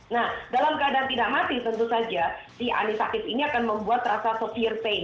nah dalam keadaan tidak mati tentu saja si anisakis ini akan membuat rasa sopir pain